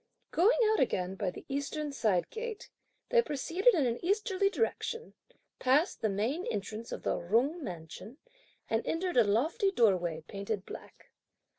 Going out again by the eastern side gate, they proceeded in an easterly direction, passed the main entrance of the Jung mansion, and entered a lofty doorway painted black.